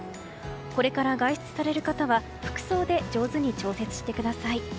これから外出される方は服装で上手に調節してください。